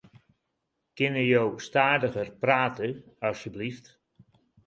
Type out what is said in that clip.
Kinne jo stadiger prate asjebleaft?